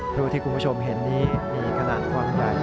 พลุที่คุณผู้ชมเห็นตรงนี้มีขนาดความยัด